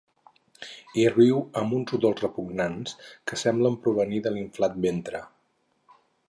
I riu amb uns udols repugnants que semblen provenir de l'inflat ventre.